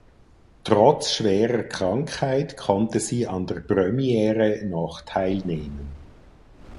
Trotz schwerer Krankheit konnte sie an der Premiere noch teilnehmen.